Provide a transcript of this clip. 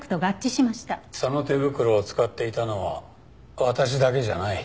その手袋を使っていたのは私だけじゃない。